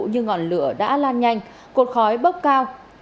nhưng ngọn lửa đã lan nhanh cột khói bốc cao